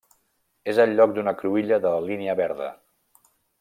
És el lloc d'una cruïlla de la Línia verda.